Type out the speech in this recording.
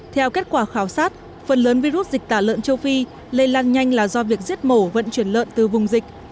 theo kết quả khảo sát phần lớn virus dịch tả lợn châu phi lây lan nhanh là do việc giết mổ vận chuyển lợn từ vùng dịch